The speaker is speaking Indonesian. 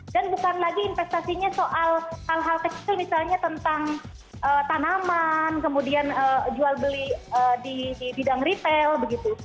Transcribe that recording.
dan bukan lagi investasinya soal hal hal kecil misalnya tentang tanaman kemudian jual beli di bidang retail begitu